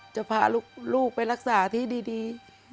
จะพาลูกไปรักษาที่ดี